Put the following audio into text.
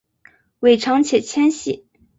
尾长且纤细。